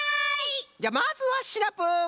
じゃあまずはシナプー！